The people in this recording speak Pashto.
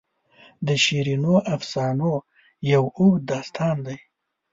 د شیرینو افسانو یو اوږد داستان دی.